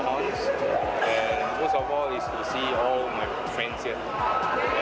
dan paling paling adalah untuk melihat semua teman teman saya